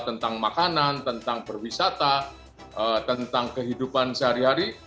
tentang makanan tentang perwisata tentang kehidupan sehari hari